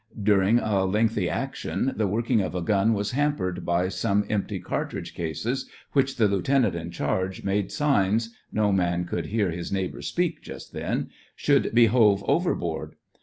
During a lengthy action, the working of a gun was hampered by some empty car tridge cases which the lieutenant in charge made signs (no man could hear his neighbour speak just then) should be hove overboard.